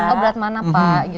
oh berat mana pak